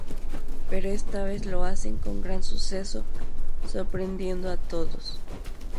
Pero esta vez lo hacen con gran suceso, sorprendiendo a todos.